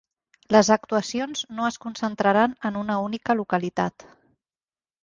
Les actuacions no es concentraran en una única localitat.